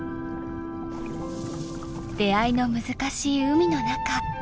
出会いの難しい海の中。